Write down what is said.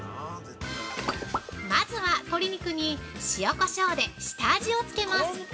まずは、鶏肉に塩・こしょうで下味を付けます。